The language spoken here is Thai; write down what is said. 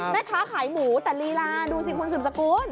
แม่ค้าขายหมูแต่ลีลาดูสิคุณสืบสกุล